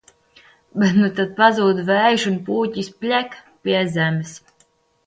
Bet nu tad pazūd vējš un pūķis pļek – pie zemes.